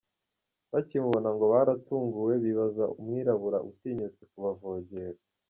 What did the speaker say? Bakimubona ngo baratunguwe, bibaza umwirabura itinyutse kubavogera.